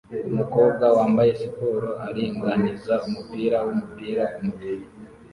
Umukobwa wambaye siporo aringaniza umupira wumupira kumutwe